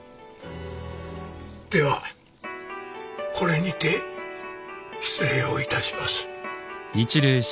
ではこれにて失礼を致します。